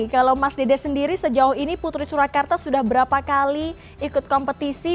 kalau mas dede sendiri sejauh ini putri surakarta sudah berapa kali ikut kompetisi